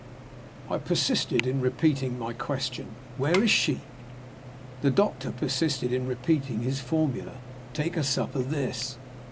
I persisted in repeating my question: "Where is she?" The doctor persisted in repeating his formula: "Take a sup of this."